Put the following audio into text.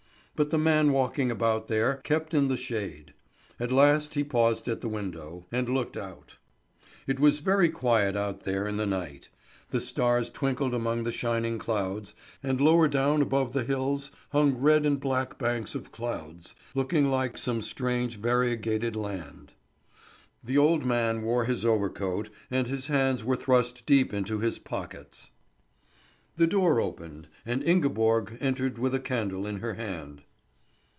But the man walking about there kept in the shade. At last he paused at the window, and looked out. It was very quiet out there in the night. The stars twinkled among the shining clouds, and lower down above the hills hung red and black banks of clouds, looking like some strange, variegated land. The old man wore his overcoat, and his hands were thrust deep into his pockets. The door opened, and Ingeborg entered with a candle in her hand.